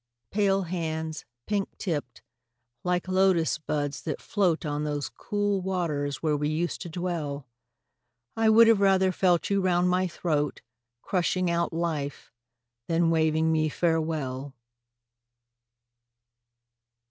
Pale hands, pink tipped, like Lotus buds that float On those cool waters where we used to dwell, I would have rather felt you round my throat, Crushing out life, than waving me farewell!